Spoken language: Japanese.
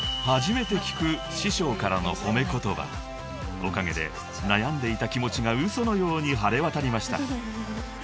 ［おかげで悩んでいた気持ちが嘘のように晴れ渡りました］